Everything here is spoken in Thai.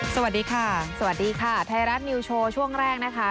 สวัสดีค่ะสวัสดีค่ะไทยรัฐนิวโชว์ช่วงแรกนะคะ